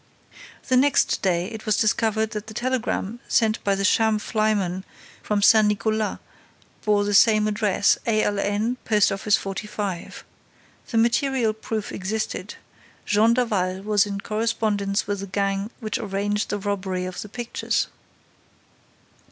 The next day, it was discovered that the telegram sent by the sham flyman from Saint Nicolas bore the same address: 'A.L.N., Post office 45.' The material proof existed: Jean Daval was in correspondence with the gang which arranged the robbery of the pictures."